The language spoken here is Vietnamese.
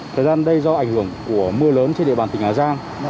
thời gian đây do ảnh hưởng của mưa lớn trên địa bàn tỉnh hà giang